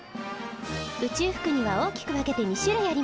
宇宙服には大きく分けて２種類あります。